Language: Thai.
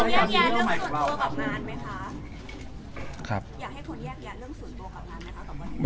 แยกแยะเรื่องส่วนตัวกับงานไหมคะครับอยากให้คนแยกแยะเรื่องส่วนตัวกับงานไหมคะกับวัน